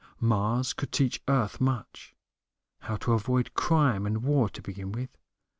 Mars could teach Earth much. How to avoid crime and war to begin with.